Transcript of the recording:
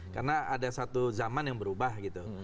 karena ada satu zaman yang berubah gitu